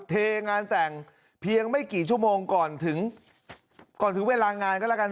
เทงานแต่งเพียงไม่กี่ชั่วโมงก่อนถึงก่อนถึงเวลางานก็แล้วกัน